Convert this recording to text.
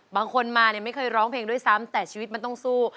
บางคนมาเนี่ยไม่เคยร้องเพลงด้วยซ้ำแต่ชีวิตมันต้องสู้